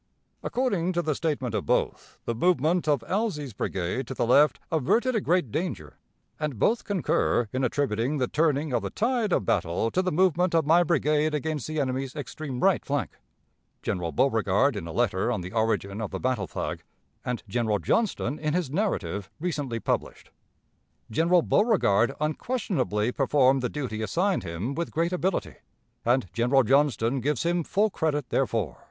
According to the statement of both, the movement of Elzey's brigade to the left averted a great danger, and both concur in attributing the turning of the tide of battle to the movement of my brigade against the enemy's extreme right flank (General Beauregard in a letter on the origin of the battle flag, and General Johnston in his 'Narrative' recently published). "General Beauregard unquestionably performed the duty assigned him with great ability, and General Johnston gives him full credit therefor.